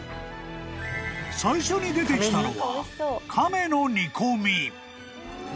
［最初に出てきたのは亀の煮込み］